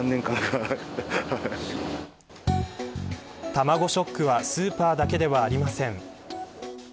卵ショックはスーパーだけではありません。